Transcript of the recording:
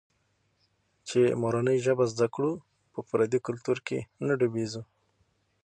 چي مورنۍ ژبه زده کړو، په پردي کلتور کې نه ډوبېږو.